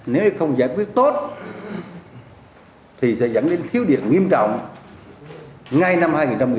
nếu không giải quyết tốt thì sẽ dẫn đến khiếu điểm nghiêm trọng ngay năm hai nghìn một mươi tám